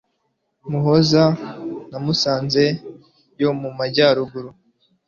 muhoza na musanze yo mu amajyaruguru